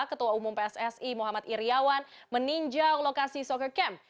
ketua umum pssi muhammad iryawan meninjau lokasi soccer camp